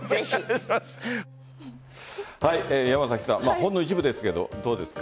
ほんの一部ですけどどうですか？